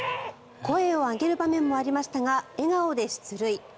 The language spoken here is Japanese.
声を上げる場面もありましたが笑顔で出塁。